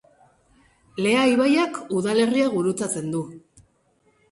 Lea ibaiak udalerria gurutzatzen du.